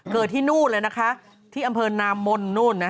เกิดที่นู่นเลยนะคะที่อำเภอนามมล